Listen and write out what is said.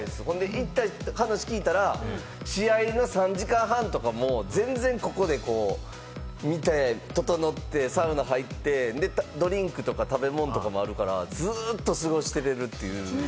行った人の話を聞いたら、試合の３時間半とかも全然、ここで見て、ととのって、サウナ入って、ドリンクとか食べ物とかもあるから、ずっと過ごしていられるって。